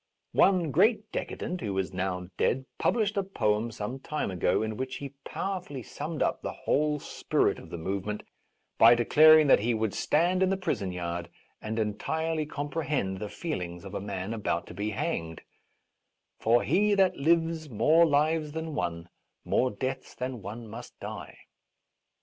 One great decadent, who is now dead, published a poem some time ago, in which he powerfully summed up the whole spirit of the movement by declaring that he could stand in the prison yard and entirely comprehend the feelings of a man about to be hanged :" For he that lives more lives than one More deaths than one must die."